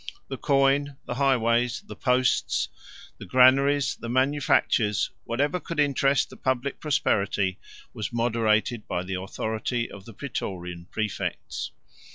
The coin, the highways, the posts, the granaries, the manufactures, whatever could interest the public prosperity, was moderated by the authority of the Prætorian præfects.